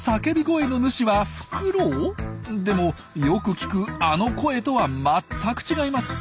でもよく聞くあの声とは全く違います。